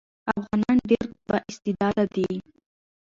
افغانان ډېر با استعداده دي.